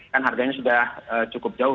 kan harganya sudah cukup jauh